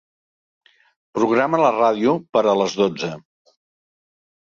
Programa la ràdio per a les dotze.